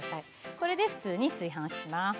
これで普通に炊飯します。